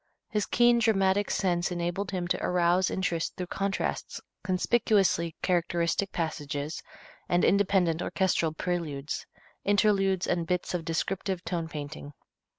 His keen dramatic sense enabled him to arouse interest through contrasts, conspicuously characteristic passages, and independent orchestral preludes, interludes and bits of descriptive tone painting.